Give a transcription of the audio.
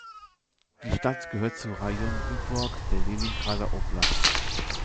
Die Stadt gehört zum Rajon Wyborg der Leningrader Oblast.